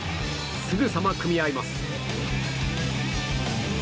すぐさま組み合います。